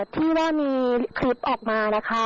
ที่ว่ามีคลิปออกมานะคะ